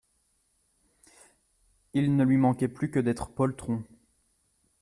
Il ne lui manquait plus que d’être poltron.